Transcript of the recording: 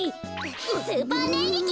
スーパーねんりき！